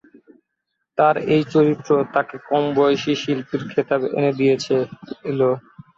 তার এই চরিত্র তাকে কম বয়সী শিল্পীর খেতাব এনে দিয়েছিল।